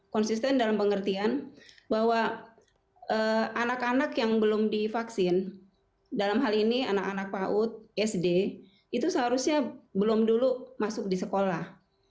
konsisten dalam pengertian bahwa anak anak yang belum divaksin dalam hal ini anak anak paut sd itu seharusnya belum dulu masuk di sekolah